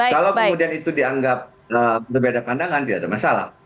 kalau kemudian itu dianggap berbeda pandangan tidak ada masalah